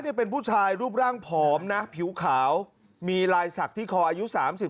นี่เป็นผู้ชายรูปร่างผอมนะผิวขาวมีลายศักดิ์ที่คออายุ๓๔